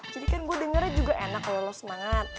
jadi kan gue dengernya juga enak kalo lo semangat